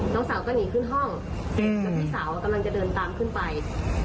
น้องสาวก็หนีขึ้นห้องแล้วพี่สาวกำลังจะเดินตามขึ้นไป